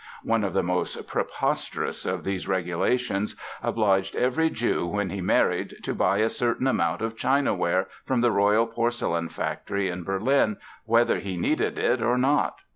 One of the most preposterous of these regulations obliged every Jew when he married to buy a certain amount of chinaware from the royal porcelain factory in Berlin, whether he needed it or not.